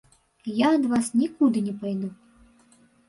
Я ад вас нікуды не пайду.